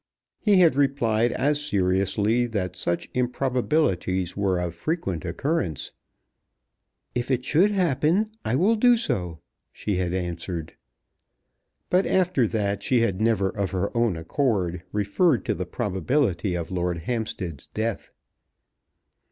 He had replied as seriously that such improbabilities were of frequent occurrence. "If it should happen I will do so," she had answered. But after that she had never of her own accord referred to the probability of Lord Hampstead's death.